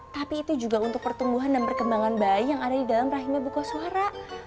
tapi itu juga untuk pertumbuhan dan perkembangan bayi yang ada di dalam rahimnya buka suara